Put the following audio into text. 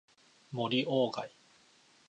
森鴎外